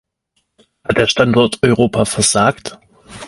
Hat der Standort Europa versagt?